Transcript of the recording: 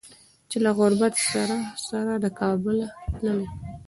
چې له غربت سره سره له کابله تللي